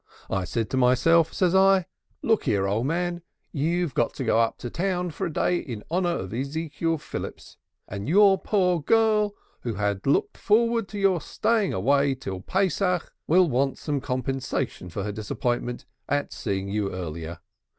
I said to myself, says I, look here, old man, you've got to go up to town for a day in honor of Ezekiel Phillips, and your poor girl, who had looked forward to your staying away till Passover, will want some compensation for her disappointment at seeing you earlier.